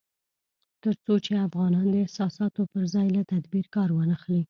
تر څو چې افغانان د احساساتو پر ځای له تدبير کار وانخلي